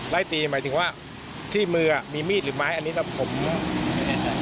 ไล่ตีหมายถึงว่าที่มือมีมีดหรือไม้อันนี้แล้วผมไม่แน่ใจ